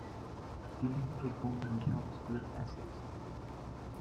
Dean was born in Chelmsford, Essex.